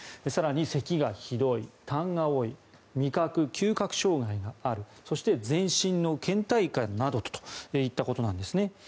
更に、せきがひどいたんが多い味覚・嗅覚障害があるそして全身のけん怠感などといったことです。